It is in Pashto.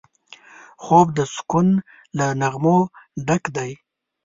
خوب د سکون له نغمو ډک دی